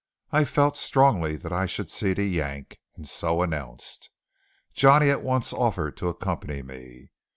I felt strongly that I should see to Yank, and so announced. Johnny at once offered to accompany me.